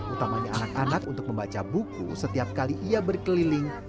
utamanya anak anak untuk membaca buku setiap kali ia berkeliling